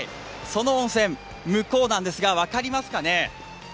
その温泉、向こうなんですが分かりますかね。